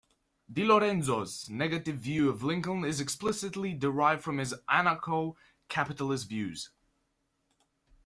DiLorenzo's negative view of Lincoln is explicitly derived from his Anarcho-capitalist views.